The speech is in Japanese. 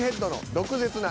「毒舌な」